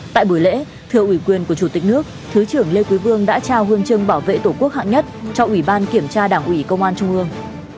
tại buổi lễ thưa ủy quyền của chủ tịch nước thứ trưởng lê quý vương đã trao hương chương bảo vệ tổ quốc hạng nhất cho ủy ban kiểm tra đảng ủy công an trung ương